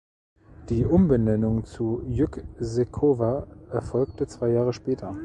Die Umbenennung zu Yüksekova erfolgte zwei Jahre später.